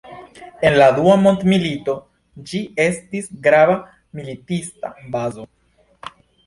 En la dua mondmilito, ĝi estis grava militista bazo.